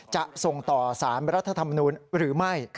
จะส่งต่อสารรัฐธรรมนูลหรือไม่